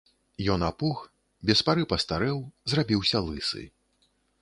Ён апух, без пары пастарэў, зрабіўся лысы.